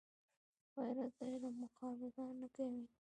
غیرت د علم مقابله نه کوي